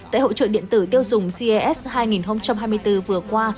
tại hỗ trợ điện tử tiêu dùng ces hai nghìn hai mươi bốn vừa qua